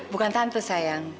bukan tante sayang